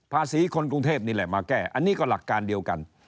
คนกรุงเทพนี่แหละมาแก้อันนี้ก็หลักการเดียวกัน